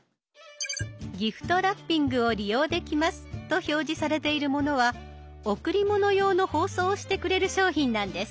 「ギフトラッピングを利用できます」と表示されているものは贈り物用の包装をしてくれる商品なんです。